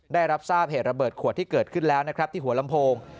ได้รับทราบเหตุระเบิดขวดที่เกิดขึ้นแล้วนะครับที่หัวลำโพง